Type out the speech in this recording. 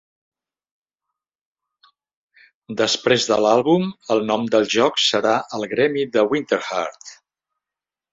Després de l'àlbum, el nom del joc serà "el gremi de Winterheart".